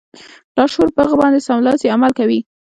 لاشعور په هغه باندې سملاسي عمل کوي